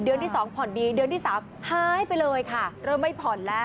เดือนที่๒ผ่อนดีเดือนที่๓หายไปเลยค่ะเริ่มไม่ผ่อนแล้ว